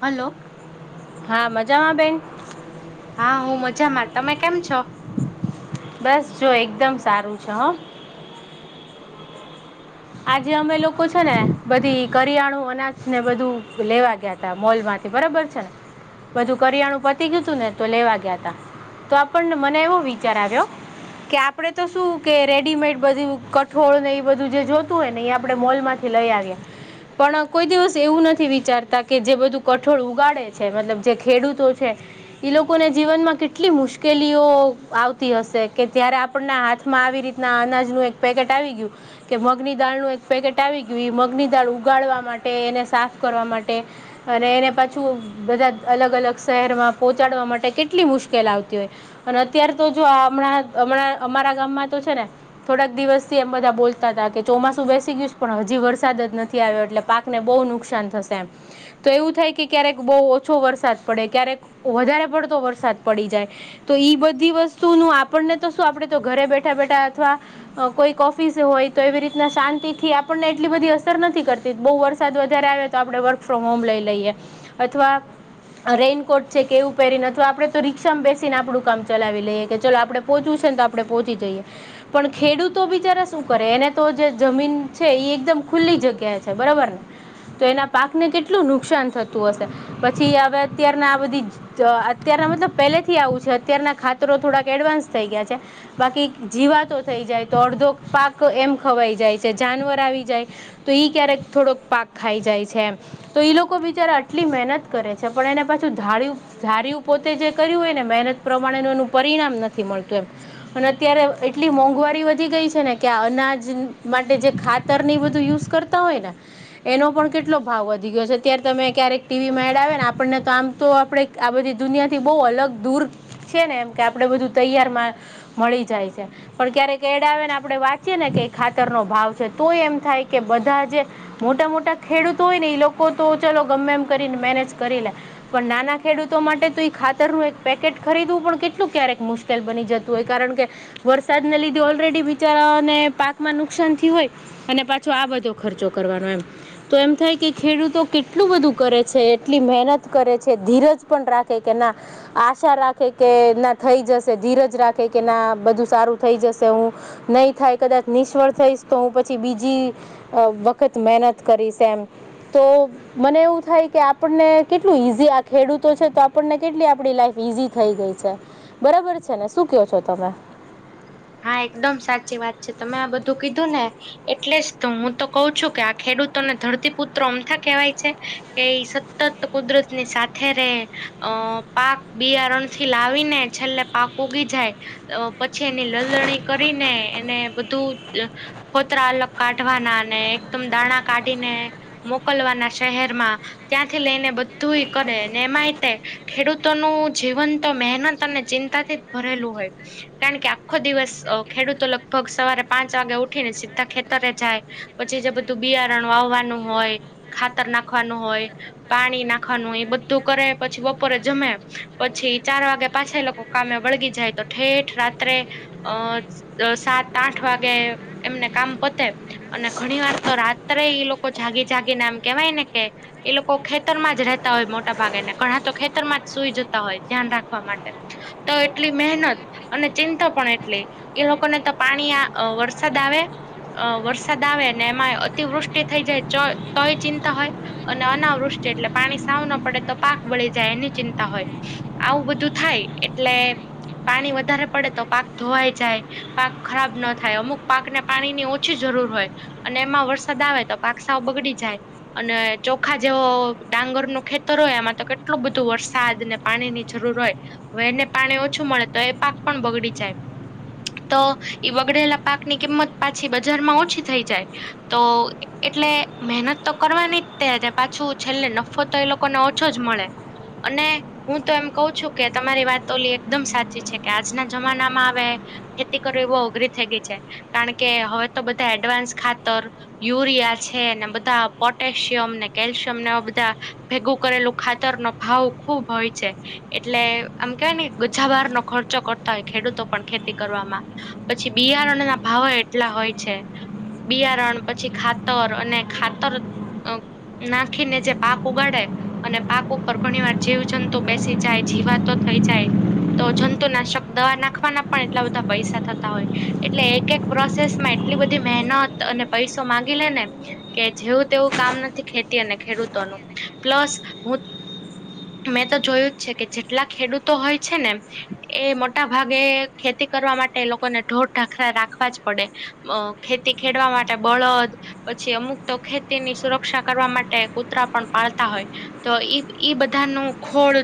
Hello. હા, મજામાં બેન. હા, હું મજામાં, તમે કેમ છો? બસ જો એકદમ સારું છે હા. આજે અમે લોકો છે ને, બધી કરિયાણું અનાજ ને, બધું લેવા ગયા. મોલ માંથી બરાબર છે ને. બધું કરિયાણું પતી ગયું હતું ને, તો લેવા ગયા તા તો, આપણને મને એવો વિચાર આવ્યો. કે આપડે તો શું કે, રેડીમેડ બધું કઠોળ ને, એ બધું જે જો. હો ને, એ આપણે મોલ માંથી લઈ આવ્યા. પણ કોઈ દિવસ એવું નથી વિચારતા કે, જે બધું કઠોળ ઉગાડે છે, મતલબ જે ખેડૂતો છે. ઈ લોકોને જીવનમાં કેટલી મુશ્કેલીઓ આવતી હશે કે, ત્યારે આપ હાથમાં આવી રીતના અનાજનું એક પેકેટ આવી ગયું કેમ. મગની દાળનું એક પેકેટ આવી ગયું, મગની દાળ ઉગાડવા માટે એને સાફ કરવા માટે. અને એને પાછું બધા અલગ-અલગ શહેરમાં પહોંચાડવા માટે કેટલી મુશ્કેલ આવતી હોય. અને અત્યાર તો જોમણાં અમારા ગામમાં તો છે ને. થોડાક દિવસથીમ બધા બોલતા હતા કે. ચોમાસું બેસી ગયું છે, પણ હજી વરસાદ જ નથી આવ્યો, એટલે પાકને બહુ નુકસાન થશે એમ. તો એવું થાય કે, ક્યારેક બહુ ઓછો વરસાદ પડે, ક્યારેક વધારે પડતો વરસાદ પડી જાય. તો ઈ બધી વસ્તુ ન આપણને તો શું આપડે તો, ઘરે બેઠા-બેઠા અથવા કોઈ ઓફીસ હોય તો, એવી રીતે. શાંતિ થી આપણને એટલી બધી અસર નથી કરતી, બહુ વરસાદ વધારે આવે તો, આપડણે વર્ક ફ્રોમ હોમ લઈ લઈએ. અથવા. રેનકોટ છે કે, એવું પહેરી નથી આપડે તો, રીક્ષામાં બેસીને, આપડું કામ ચલાવી લઈએ કે, ચાલો આપડે. પોચવું છે ને, તો આપડે પોચી જઈએ, પણ ખેડૂતો બિચારા શું કરે એને. તો જે જમીન છે એ એકદમ ખુલ્લી જગ્યા છે, બરોબર ને. તો એના પાકને કેટલું નુકસાન થતું હશે પછી હવે અત્યારના આ બધી તો અત્યારના મતલબ પહેલેથી આવું છે અત્યારના ખાતરો થોડાક એડવાન્સ થઈ ગયા છે. બાકી જીવાતો થઈ જાય તો અડધો પાક એમ ખવાઈ જાય છે જાનવર આવી જાય ઈ ક્યારેક થોડોક પાક ખાઈ છે એમ. તો ઈ લોકો બિચારા આટલી મહેનત કરે છે પણ એને પાછું ધાર્યું ધાર્યું પોતે જે કર્યું હોય ને મહેનત પ્રમાણે એનું પરિણામ નથી મળતું એમ. અને અત્યારે એટલી મોંઘવારી વધી ગઈ છે ને કે આ અનાજ જીન માટે જે ખાતરની બધું યુઝ કરતા હોય ને એનો પણ કેટલો ભાવ વધી ગયો છે અત્યારે તમે ક્યારેક ટી વી માં એડ આવ્યા ને આપણને તો આમ તો આપડે આ બધી દુનિયાથી બહુ અલગ દૂર છે ને એમ કે આપડે બધું તૈયારમાં મળી જાય છે પણ ક્યારેક એડ આવે ને આપડે વાંચીએ ને કે ખાતરનો ભાવ છે તો એમ થાય કે બધા જે મોટા મોટા ખેડૂતો હોય ને એ લોકો તો ચલો ગમ્મે એમ કરીને મેનેજ કરી લે. પણ નાના ખેડૂતો માટે તો ઈ ખાતરનું એક પેકેટ ખરીદવું પણ કેટલું ક્યારેક મુશ્ કેલ બની જતું હોય કારણ કે વરસાદને લીધે ઓલરેડી બિચારાઓને પાક માં નુકસાન થયું હોય અને પાછો આ બધો ખર્ચો કરવાનો એમ. તો એમ થાય કે ખેડૂતો કેટલું બધું કરે છે એટલી મહેનત કરે છે ધીરજ પણ રાખે કે ના આશા રાખે કે ના થઈ જશે ધીરજ રાખે કે ના બધું સારું થઈ જશે હું નહીં થાય કદાચ નિષ્ફળ થઈશ તો હું પછી બીજી અહ વખત મહેનત કરીશ એમ તો મને એવું થાય કે આપણને કેટલું ઈઝી આ ખેડૂતો છે તો આપણને કેટલી આપડી લાઈફ ઈઝી થઈ ગઈ છે બરાબર છે ને શું ક્યો છો તમે? હા, એકદમ સાચી વાત છે. તમે આ બધું કીધું ને એટલે જ તો હું તો કહું છું કે આ ખેડૂતોને ધરતીપુત્રો અમથા કહેવાય છે કે ઈ સ તત કુદરતની સાથે રહે અહ પાક બિયારણથી લાવીને છેલ્લે પાક ઉગી જાય અહ પછી એની લલણી કરીને બધું અહ ફોતરા અલગ કાઢવાના અને એકદમ દાણા કાઢીને મોકલવાના શહેરમાં ત્યાંથી લઈને બધ્ધું એ કરે અને એમાંએ તે ખેડૂતોનું જીવન તો મહેનત અને ચિં તા થીજ ભરેલું કારણ કે આ ખો દિવસ અહ ખેડૂતો લગભગ સવારે પાંચ વાગે ઉઠીને સિધ્ધા ખેતરે જાય પછી જે બધું બિયારણ વાવવાનું હોય ખાતર નાખવાનું હોય પાણી નાખવાનું એ બધું કરે પછી બપોરે જમે પછી ચાર વાગે પાછા એ લોકો કામે વળગી જાય તો ઠેઠ રાત્રે અહ અહ સાત આઠ વાગે એમને કામ પતે અને ઘણી વાર તો રાત્રે ઈ લોકો જાગી જાગી ને આમ કેવાય ને કે એ લોકો ખેતરમાં જ રહેતા હોય મોટા ભાગે ને ઘણાં તો ખેતરમાં જ સુઈ જતા હોય ધ્યાન રાખવા માટે. તો એટલી મહેનત અને ચિંતક પણ એટલી એ લોકોને તો પાણી આ અહ વરસાદ આવે અહ વરસાદ આવે અને એમાંય અતિવૃષ્ટિ થઈ જાય ચોય-તોય ચિંતા હોય. અને અનાવૃષ્ટ એટલે પાણી સાવ ના પડે તો પાક બળી જાય એની ચિંતા હોય. આવું બધું થાય એટલે પાણી વધારે પડે તો પાક ધોવાઈ જાય પાક ખરાબ ના થાય અમુક પાકને પાણી ની ઓછી જરૂર હોય અને એમાં વરસાદ આવે તો પાક સાવ બગડી જાય. અને ચોખા જેવો ડાંગરનો ખેતર હોય એમાં તો કેટલું બધું વરસાદ ને પાણીની જરૂર હોય. હવે એને પાણી ઓછું મળે તો એ પાક પણ બગડી જાય. તો ઈ બગડેલા પાકની કિંમત પાછી બજારમાં ઓછી થઈ જાય. તો એટલે મહેનત તો કરવાની જ, તે ને પાછું છેલ્લે નફો તો એ લોક કોને ઓછો જ મળે. અને હું તો એમ કહુ છું કે, તમારી વાત ઓલી એકદમ સાચી છે કે, આજના જમાનામાં હવે ખેતી કરવી એ બહુ અઘરી થઈ ગઈ છે. કારણ કે હવે તો બધા એડવાન્સ ખાતર યુરિયા છે, ને બધા પોટેશિયમ ને, કેલ્શિયમ ને એવા બધા ભેગું કરેલું ખાતરનો ભાવ ખુબ હોય છે. એટલે આમ કેવાય ને ગજા બારનો ખર્ચો કરતા હોય ખેડૂતો. પણ ખેતી કરવામાં પછી બિયારણના ભાવો એટલા હોય છે. બિયારણ, પછી ખાતર અને ખાતર અ નાખીને જે પાક ઉગાડે. અને પાક ઉપર ઘણી વાર જીવજંતુ બેસી જાય, જીવાતો થઈ જાય. તો જંતુનાશક દવા નાખવાના પણ, એટલા બધા પૈસા થતા હોય. એટલે એક એક પ્રોસેસમાં એટલી બધી મહેનત અને પૈસો માંગી લે ને. કે જેવું તેવું કામ નથી, ખેતી અને ખેડૂતોનું. પ્લસ હું મેં તો જોયું જ છે કે, જેટલા ખેડૂતો હોય છે ને, એ મોટા ભાગે ખેતી કરવા માટે એ લોકોને, ઢોર-ઢાખરા રાખવા જ પડે. અ ખેતી ખેડવા માટે બળદ. પછી અમુક તો ખેતીની સુરક્ષા કરવા માટે, કૂતરા પણ પાળતા હોય. તો ઈ એ બધાનું ખોળ.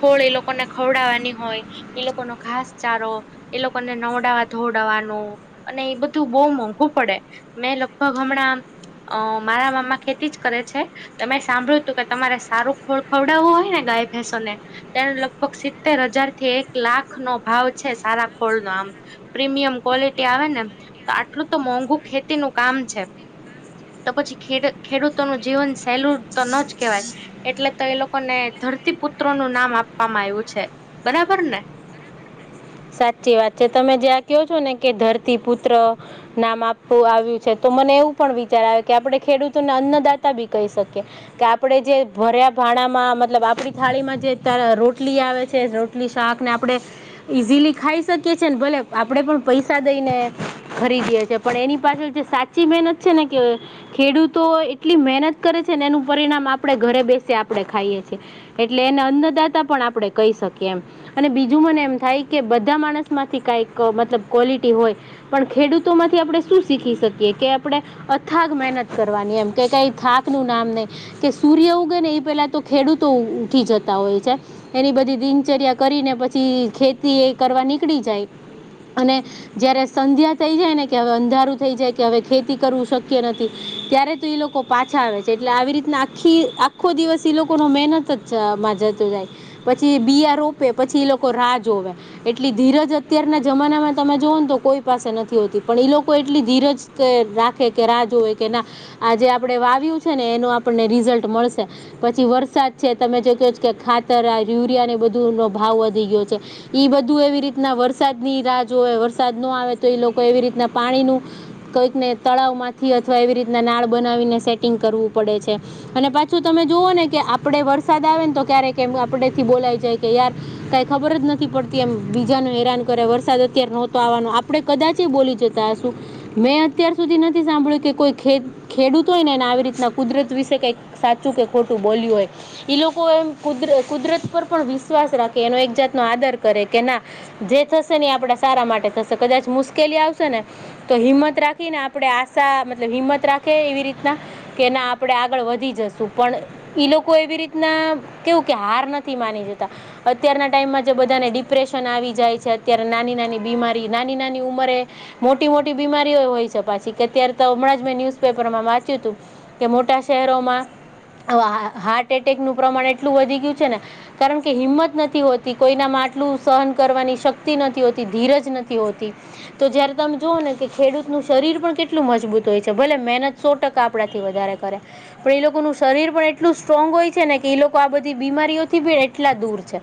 ખોળ એ લોકોને ખવડાવવાની હોય, એ લોકોનો ઘાસ-ચારો એ લોકોને નવડાવવા-ધોવડાવવાનું, અને એ બધું બહુ મોંઘું પડે. મેં લગભગ હમણાં અ મારા મામા ખેતી જ કરે છે. તમે સાંભળ્યું તું કે, તમારે સારું ખોળ ખવડાવવું હોય ને ગાય-ભેંસો ને. તેને લગભગ સિત્તેર હજારથી એક લાખનો ભાવ છે. સારા ખોળનો આમ. પ્રીમિયમ ક્વોલિટી આવે ને, તો આટલું તો મોંઘુ ખેતીનું કામ છે. તો પછી ખીરું ખેડૂતોનું જીવન સહેલું તો ન જ કેહેવાય. એટલે તો એ લોકોને ધરતી પુત્રોનું નામ આપવામાં આવ્યું છે. બરાબર ને? સાચી વાત છે. તમે જે આ કયો છો ને, કે ધરતી પુત્ર નામ આપવું આવ્યું છે, તો મને એવું પણ વિચાર આવે કે, આપણે ખેડૂતોને અન્નદાતા બી કહી શકીએ. કે આપડે જે ભર્યા ભાણામાં, મતલબ આપડી થાળીમાં જે રોટલી આવે છે. રો ટલી શાક ને, આપણે ઈઝીલી ખાઈ શકીએ છીએને, ભલે આપણેે પણ પૈસા દઈને. ખરીદીએ છે, પણ એની પાછળ જે સાચી મહેનત છે ને કે. ખેડૂતો એટલી મહેનત કરે છે ને, એનું પરિણામ આપણેે ઘરે બેસી આપણેે ખાઈએ છીએ. એટલે એને અન્નદાતા પણ આપણે કહી શકીએ એમ. અને બીજું મને એમ થાય કે, બધા માણસમાંથી કાંઈક મતલબ ક્વૉલિટી હોય. પણ ખેડૂતોમાંથી આપણે શું શીખી શકીએ કે આપણે અથાગ મહેનત કરવાની એમ. કે, કઈ થાકનું નામ નહી. કે સૂર્ય ઉગેને, એ પેલા તો ખેડૂતો ઉઠી જતા હોય છે. એની બધી દિનચર્યા કરીને, પછી ખેતી એ કરવા નીકળી જાય. અને જયારે સંધ્યા થઈ જાય ને કે, હવે અંધારું થઈ જાય કે, હવે ખેતી કરવું શક્ય નથી. ત્યારે તો એ લોકો પાછા આવે છે, એટલે આવી રીતના આખી આખો દિવસ એ લોકોનો મહેનત જ માં જતો જાય. પછી બીયા રોપે પછી એ લોકો રાહ જોવે. એટલી ધીરજ અત્યારના જમાનામાં તમે જોઓ ને, તો કોઈ પાસે નથી હોતી. પણ ઈ લોકો એટલી ધીરજ કે રાખે કે રાહુ જોવે કે ના, આજે આપણે વાવ્યું છે ને, એનું આપણને રિઝલ્ટ મળશે. પછી વરસાદ છે, તમે જો કયો કે, ખાતર યુરિયા ને, બધું નો ભાવ વધી ગયો છે. ઈ બધું એવી રીતના વરસાદ ની રાહ જોવે, વરસાદ ન આવે તો, એ લોકો એવી રીતના પાણીનું કઈકને તળાવ માંથી અથવા એવી રીતના નાળ બનાવીને સેટિંગ કરવું પડે છે. અને પાછું તમે જોવઓ ને કે, આપડે વરસાદ આવે ને, તો ક્યારેક આપડે થી બોલાઈ જાય. કે યાર કઈ ખબર જ નથી. પડતી એમ બીજાને હેરાન કરે વરસાદ અત્યારે નહોતો આવાનો આપડે કદાચ એ બોલી જતા હશું. મેં અત્યાર સુધી નથી સાંભળ્યું કે કોઈ ખેડ ખેડૂત હોય એને આવી રીતના.. કુદરત વિશે કઈક સાચું કે ખોટું બોલ્યું હોય. ઈ લોકો એમ કુ કુદરત પર પણ વિશ્વાસ રાખે એનો એક જાતનો આદર કરે કે ના જે થશે ને એ આપણા સારા માટે થશે કદાચ મુશ્કેલી આવશે ને.. તો હિંમત રાખી ને આપણે આશા મતલબ હિંમત રાખે એવી રીતના કે ના આપણે આગળ વધી જશુ પણ.. ઈ લોકો એવી રીતના કેવું કે હાર નથી માની જતા અત્યારના ટાઈમમાં.. બધાને ડિપ્રેશન આવી જાય છે અત્યારે નાની નાની બીમારી નાની નાની ઉંમરે.. મોટી મોટી બીમારીઓ હોય છે પાછી કે અત્યારે તો હમણાં જ મેં ન્યુઝપેપર માં વાંચ્યું હતું. કે મોટા શહેરોમાં.. હવે હા હાર્ટ એટેકનું પ્રમાણ એટલું વધી ગયું છે ને કારણ કે હિંમત નથી હોતી. કોઈનામાં આટલું સહન કરવાની શક્તિ નથી હોતી ધીરજ નથી હોતી. તો જયારે તમે જોવો ને કે ખેડૂત નું શરીર પણ કેટલું મજબૂત હોય છે ભલે મહેનત.. સો ટકા આપણા થી વધારે કરે. પણ એ લોકો ન શરીર પણ એટલું સ્ટ્રોંગ હોય છે ને કે એ લોકો આ બધી બીમારીઓથી પણ એટલા દૂર છે.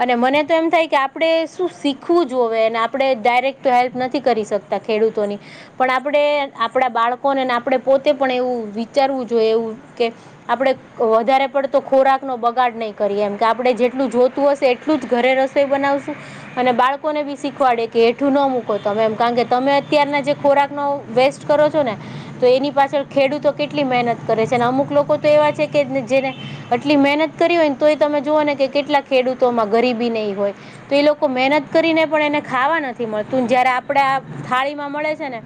અને મને તો એમ થાય કે આપણે શું શીખવું જઈએ અને આપણે ડાયરેક્ટ તો હેલ્પ નથી કરી શકતા તા ખેડૂતોની. પણ આપણેે આપણા બાળકોનેને આપણે પોતે પણ એવું વિચારવું જોઈએ એવું કે- આપણે વધારે પડતો ખોરાક નો બગાડ નહી કરીએ એમ કે આપણે જેટલું જોતું હશે એ - એટલું જ ઘરે રસોઈ બનાવશું. અને બાળકોને બી સિખવાડે કે એઠું ના મૂકો તમે એમ કારણ કે અત્યારના જે ખોરાક.. નો વેસ્ટ કરો છો ને, તો એની પાછળ ખેડૂતો કેટલી મહેનત કરે છે અને અમુક લોકો તો એવા છે કે જેને આટલી મહેનત કરી હોય ને તો એ તમે જોઓ ને કે કેટલા ખેડૂતોમાં ગરીબી નઈ હોય. તો એ લોકો મહેનત કરીને પણ એને ખાવા નથી મળતું જયારે આપડે આ થાળી માં મળે. છે ને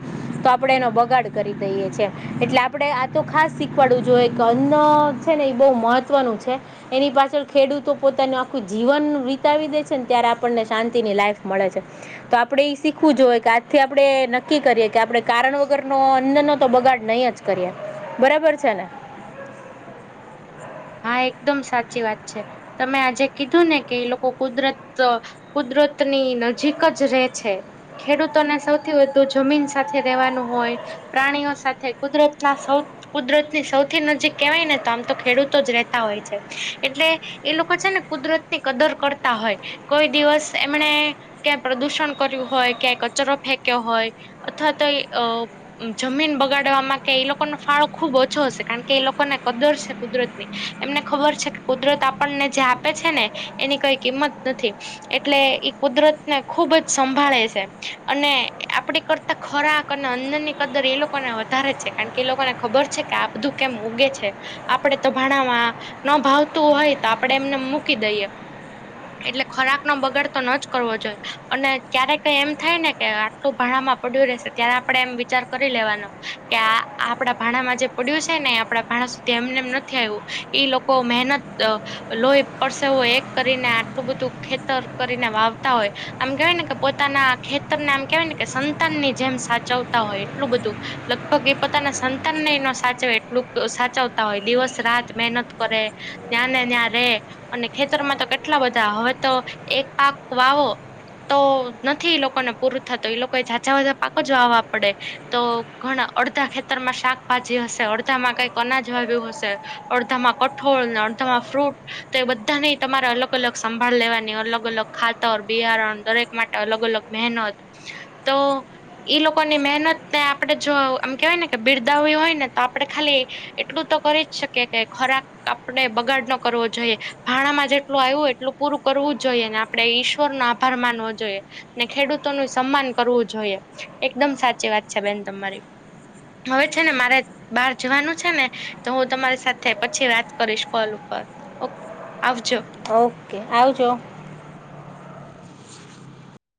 તો આપણે એનો બગાડ કરી દઈએ છે એટલે આપડે આ તો ખાસ શીખવાડવું જોઈએ કે અન્ન છે ને એ બહુ મહત્વનું છે એની પાછળ ખેડૂતો પોતાની.. જીવન વિતાવી દે છે ને ત્યારે આપણને શાંતિ ની લાઈફ મળે છે. તો આપણે ઈ શીખવું જોએ કે આજથી આપણે નક્કી કરીએ કે આપણે કારણ વગરનું અન્નનો તો બગાડ નહી જ.. કરીએ બરાબર છે ને. હા એકદમ સાચી વાત છે તમે આજે કીધું ને કે એ લોકો કુદરત.. કુદરતની નજીક જ રહેે છે. ખેડૂતોને સૌથી વધુ જમીન સાથે રહેેવાનું હોય. પ્રાણીઓ સાથે કુદરતના કુદરતની સૌથી નજીક કેવાય ને તો આમતો ખેડૂત... તો જ રહેતા હોય છે એટલે.. એ લોકો છે ને કુદરત ની કદર કરતા હોય કોઈ દિવસ એમણે... ક્યાંય પ્રદૂષણ કર્યું હોય ક્યાં કચરો ફેંક્યો હોય અથવા તો અ જમીન બગાડવાવામાં કે એ લોકોનો ફાળો ખુબ ઓછો હશે કારણ કે એ લોકોને કદર છે કુદરત ની. એમને ખબર છે કે કુદરત આપનને જે આપે છે ને એની કઈ કિંમત નથી. એટલે ઈ કુદરતને ખુબ જ સંભાળે છે અને આપડી કર ખોરાક અને અન્નની કદર એ લોકોને વધારે છે કારણ કે એ લોકોને ખબર છે કે આ બધું કેમ ઉગે છે. આપડે તો ભાણમાં ન ભાવતું હોય તો આપણે એમનેમ મૂકી દઈએ. એટલે ખોરાકનો બગાડ તો ન જ કરવો જોઈએ અને ક્યારે કય એમ થાયને કે લું ભાણામાં પડ્યું રહેશે ત્યારે આપણેે એમ વિચાર કરી લેવાનો કે આ આપણા ભાણામાં જે પડ્યું છે ને એ આપણા ભાણા સુધી એમનેમ નથી આવ્યું ઈ લોકો મહેનત અ લોહી પરશેવો એક કરીને, આટલું બધું ખેતર કરીને વાવતા હોય આમ કહેવાય ને કે પોતાના ખેતરને આમ કેવાયને કે સંતાનની જેમ સાચવતા હોય એટલું બધું લગભગ એ પોતાના સં તાનને નો સાચવે એટલુંક તો સાચવતા હોય, દિવસ સ રાત મેહનત કરે યા ને યા રે અને ખેતરમાં તો કેટલા બધા, હવે તો એક પાક વાવો તો નથી ઈ લોકોને પૂરું થતું ઈ લોકોએ ઝાઝા એવા પાક જ વાવવા પડે. તો ઘણા અડધા ખેતરમાં શાકભાજી હશે, અડધામાં કઈક અનાજ વાવ્યું હશે. અડધામાં કઠોળને, અડધામાં ફ્રૂટ તે બધાની તમારે અલગ અલગ સંભાળ લેવાની, અલગ અલગ ખાતર, બિયારણ દરેક માટે અલગ અલગ મેહનત, તો ઈ લોકોની મેહનત ને આપડે જો આમ કેવાય ને કે બિરદાવી હોયને તો આપડે ખાલી એટલું તો કરી જ શક કીએ કે ખોરાક આપડે બગાડ ન કરવો જોઈએ, ભાણામાં જેટલું આવ્યું એટલું પૂરું કરવું જ જોઈએ, ને આપણે ઈશ્વરનો આભાર માનવો જોઈએ. ને ખેડૂતોનું સન્માન કરવું જોઈએ, એકદમ સાચી વાત છે બેન તમારી હવે છે ને મારે બાર જવાનું છે ને તો હું તમારી સાથે પછી વાત કરીશ કોલ ઉપર, ઓકે, આવજો. ઓકે, આવજો.